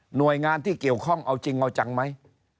หน่วยงานที่เกี่ยวข้องเอาจริงเอาจังไหม